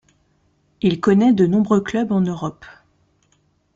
Il connaît de nombreux clubs en Europe.